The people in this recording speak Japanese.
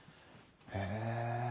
へえ。